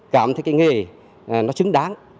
cảm thấy cái nghề nó xứng đáng